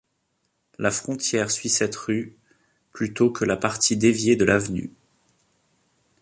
La frontière suit cette rue plutôt que la partie déviée de l'avenue.